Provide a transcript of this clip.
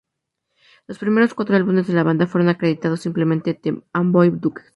Los primeros cuatro álbumes de la banda fueron acreditados simplemente a The Amboy Dukes.